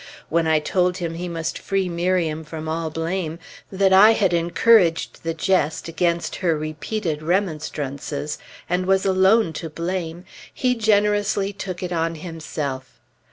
When I told him he must free Miriam from all blame, that I had encouraged the jest against her repeated remonstrances, and was alone to blame, he generously took it on himself.